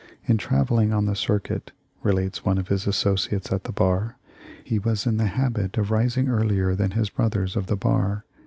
"In travelling on the circuit," relates one of his associates at the bar,* "he was in the habit of rising earlier than his broth ers of the bar.